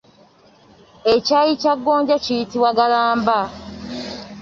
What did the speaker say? Ekyayi kya gonja kiyitibwa Ggalamba.